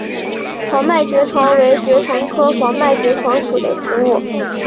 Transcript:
黄脉爵床为爵床科黄脉爵床属的植物。